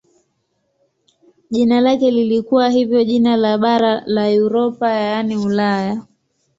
Jina lake lilikuwa hivyo jina la bara la Europa yaani Ulaya.